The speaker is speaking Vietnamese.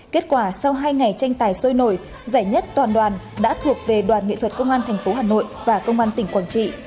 kết quả sau hai ngày tranh tài sôi nổi giải nhất toàn đoàn đã thuộc về đoàn nghệ thuật công an tp hà nội và công an tỉnh quảng trị